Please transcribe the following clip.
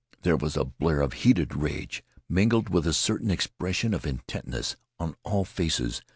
There was a blare of heated rage mingled with a certain expression of intentness on all faces.